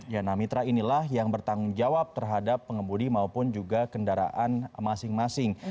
ya nah mitra inilah yang bertanggung jawab terhadap pengemudi maupun juga kendaraan masing masing